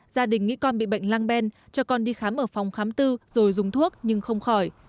gia đình nghĩ con bị bệnh lang ben cho con đi khám ở phòng khám tư rồi dùng thuốc nhưng không khỏi